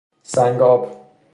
سنگ آب